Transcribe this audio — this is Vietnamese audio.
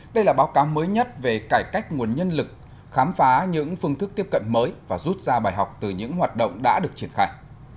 đây là báo cáo mới nhất về cải cách nguồn nhân lực khám phá những phương thức tiếp cận mới và rút ra bài học từ những hoạt động đã được triển khai